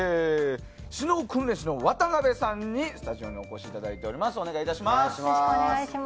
視能訓練士の渡邊さんにスタジオにお越しいただいております。